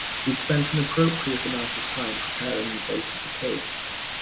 We spent an appropriate amount of time preparing the base of the cake.